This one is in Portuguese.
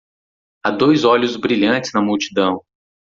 Há dois olhos brilhantes na multidão